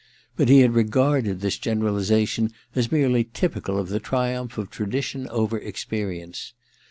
But he had regarded this generalization as merely typical of the triumph of tradition over experience.